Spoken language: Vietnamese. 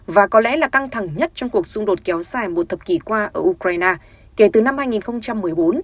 và có lẽ là căng thẳng nhất trong cuộc xung đột kéo dài một thập kỷ qua ở ukraine kể từ năm hai nghìn một mươi bốn